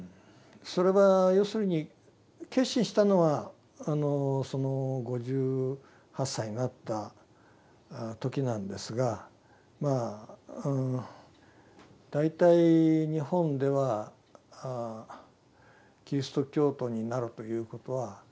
それは要するに決心したのは５８歳になった時なんですがまあ大体日本ではキリスト教徒になるということはおかしなことのようですな。